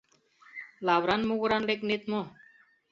Лавыран могыран лекнет мо?